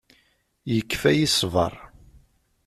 Yekfa-yi ṣṣber.